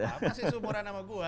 masih seumuran sama gue